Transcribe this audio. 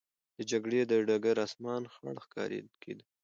د جګړې د ډګر آسمان خړ ښکاره کېده.